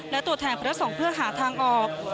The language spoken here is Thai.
และตัวแทนพระสงฆ์เพื่อหาทางออก